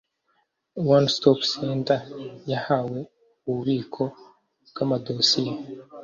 one stop center yahawe ububiko bw amadosiye